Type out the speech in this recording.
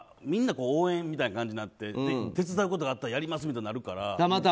みんな応援みたいな感じになって手伝うことがあったらやりますみたいになってるけど。